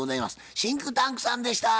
シンクタンクさんでした。